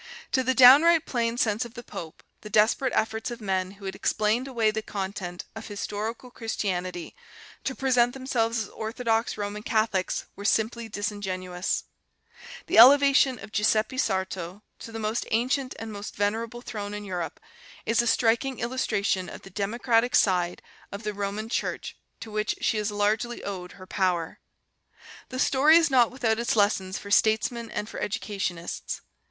To the downright plain sense of the pope the desperate efforts of men who had explained away the content of historical Christianity to present themselves as orthodox Roman Catholics were simply disingenuous .... The elevation of Giuseppe Sarto to the most ancient and most venerable throne in Europe is a striking illustration of the democratic side of the Roman Church to which she has largely owed her power .... The story is not without its lessons for statesmen and for educationists.